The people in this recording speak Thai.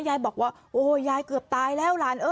ยายบอกว่าโอ้โหยายเกือบตายแล้วหลานเออ